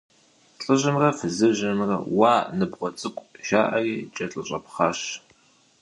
ЛӀыжьымрэ фызыжьымрэ, «уа, ныбгъуэ цӀыкӀу!» жаӀэри, кӀэлъыщӀэпхъуащ.